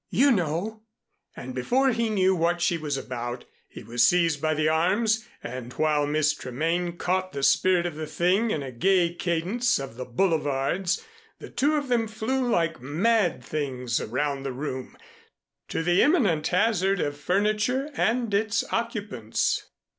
"You know," and before he knew what she was about, he was seized by the arms, and while Miss Tremaine caught the spirit of the thing in a gay cadence of the Boulevards, the two of them flew like mad things around the room, to the imminent hazard of furniture and its occupants.